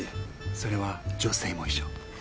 それは女性も一緒。